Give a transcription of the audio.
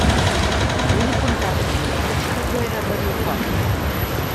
L'únic contacte amb el món exterior era radiofònic.